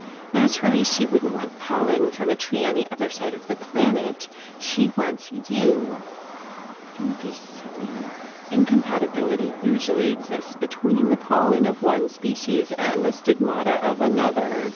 Naturally she wouldn't want pollen from a tree on the other side of the planet. She wants you!" "Don't be silly. Incompatibility usually exists between the pollen of one species and the stigmata of another.